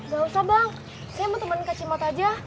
gak usah bang saya mau temen ke cimot aja